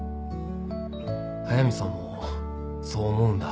速見さんもそう思うんだ。